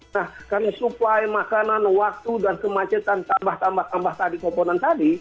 nah karena suplai makanan waktu dan kemacetan tambah tambah tadi komponen tadi